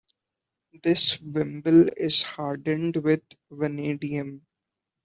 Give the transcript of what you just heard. This wimble is hardened with vanadium.